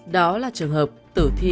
đó là trường hợp tử thi